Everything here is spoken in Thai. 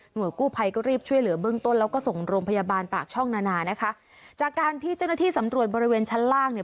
กู้ภัยก็รีบช่วยเหลือเบื้องต้นแล้วก็ส่งโรงพยาบาลปากช่องนานานะคะจากการที่เจ้าหน้าที่สำรวจบริเวณชั้นล่างเนี่ย